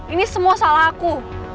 ini semua salah aku